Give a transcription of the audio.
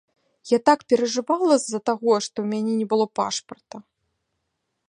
Я так перажывала з-за таго, што ў мяне не было пашпарта.